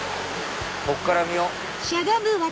こっから見よう。